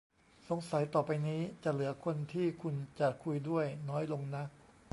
สงสัยต่อไปนี้ จะเหลือคนที่คุณจะคุยด้วยน้อยลงนะ